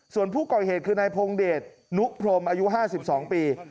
ส่วนผู้ก่อเหตุคือนายพงเดชนุพรมอายุ๕๒ปี